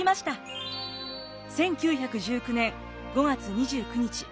１９１９年５月２９日。